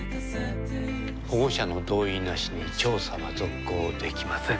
保護者の同意なしに調査は続行できません。